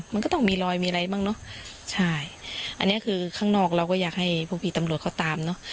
มันก็ต้องมีรอยมีอะไรบ้างเนอะใช่อันนี้คือข้างนอกเราก็อยากให้พวกพี่ตำรวจเขาตามเนอะ